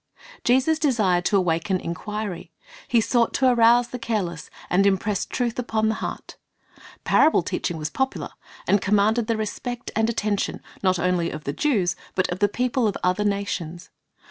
' Jesus desired to awaken inquiry. He sought to arouse the 1 Matt. 13 : 13 15 Teachins: in Parables 21 careless, and impress truth upon the heart. Parable teaching was popular, and commanded the respect and attention, not only of the Jews, but of the people of other nations.